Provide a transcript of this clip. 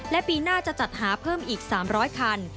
และปีหน้าจะจัดหาเพิ่มอีก๓๐๐คัน